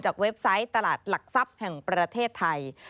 เว็บไซต์ตลาดหลักทรัพย์แห่งประเทศไทย